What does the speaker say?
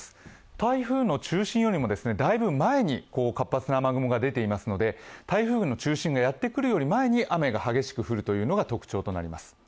台風の中心よりもだいぶ前に活発な雨雲が出ていますので台風の中心がやってくるより前に雨が激しく降るのが特徴となります。